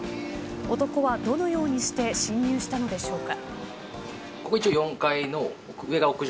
男はどのようにして侵入したのでしょうか。